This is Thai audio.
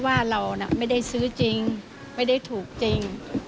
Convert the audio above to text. ว่าเราน่ะไม่ได้ซื้อจริงไม่ได้ถูกจริง